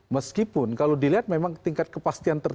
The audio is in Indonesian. meskipun kalau dilihat memang tingkat kepastian tersebut